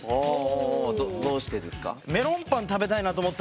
おどうしてですか？